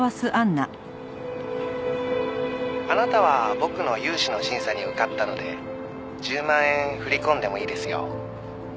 「あなたは僕の融資の審査に受かったので１０万円振り込んでもいいですよ」